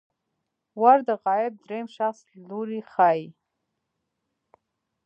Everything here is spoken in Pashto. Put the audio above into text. ور د غایب دریم شخص لوری ښيي.